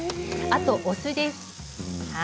あと、お酢です。